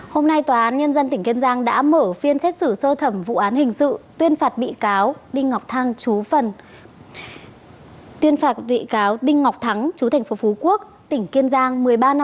hôm nay tòa án nhân dân tỉnh kiên giang đã mở phiên xét xử sơ thẩm vụ án hình sự tuyên phạt bị cáo đinh ngọc thắng chú thành phố phú quốc tỉnh kiên giang